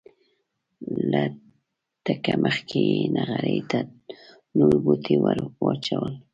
له تګه مخکې یې نغري ته نور بوټي ور واچول.